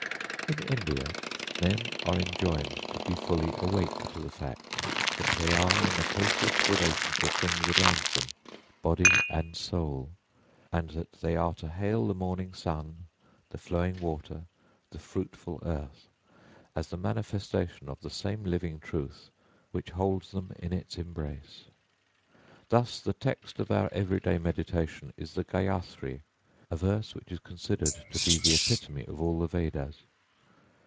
In India men are enjoined to be fully awake to the fact that they are in the closest relation to things around them, body and soul, and that they are to hail the morning sun, the flowing water, the fruitful earth, as the manifestation of the same living truth which holds them in its embrace. Thus the text of our everyday meditation is the Gayathri, a verse which is considered to be the epitome of all the Vedas.